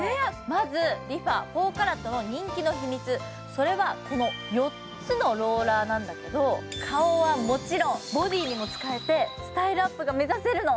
まずＲｅＦａ４カラットの人気の秘密、それはこの４つのローラーなんだけど、、顔はもちろん、ボディーにも使えてスタイルアップが目指せるの。